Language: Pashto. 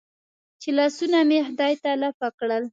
چې لاسونه مې خدای ته لپه کړل.